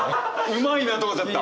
うまいなと思っちゃった。